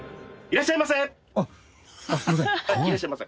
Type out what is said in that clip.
いらっしゃいませ。